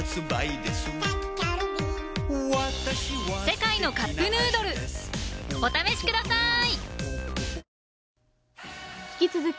「世界のカップヌードル」お試しください！